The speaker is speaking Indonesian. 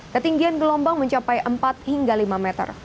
ketinggian gelombang mencapai empat hingga lima meter